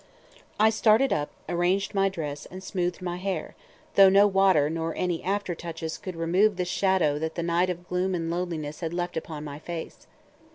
I started up, arranged my dress, and smoothed my hair; though no water nor any after touches could remove the shadow that night of gloom and loneliness had left upon my face.